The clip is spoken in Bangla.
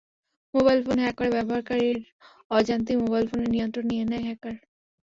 মোবাইল ফোন হ্যাক করে ব্যবহারকারীর অজান্তেই মোবাইল ফোনের নিয়ন্ত্রণ নিয়ে নেয় হ্যাকার।